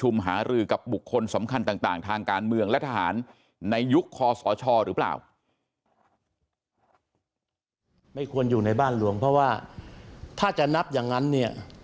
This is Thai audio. ไม่ควรอยู่ในบ้านหลวงเพราะว่าถ้าจะนับอย่างนั้นเนี่ย